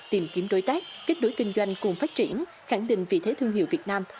tìm kiếm đối tác kết nối kinh doanh cùng phát triển khẳng định vị thế thương hiệu việt nam